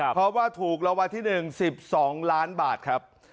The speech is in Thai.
เพราะว่าถูกรวรรษที่๑สิบสองล้านบาทครับ